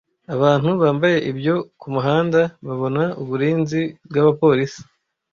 abantu bambaye ibyo kumuhanda babona uburinzi bwabapolisi